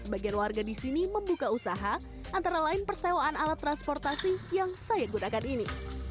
sebagian warga di sini membuka usaha antara lain persewaan alat transportasi yang saya gunakan ini